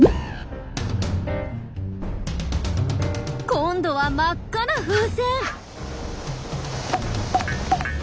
今度は真っ赤な風船！